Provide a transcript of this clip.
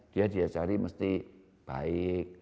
dia diajari mesti baik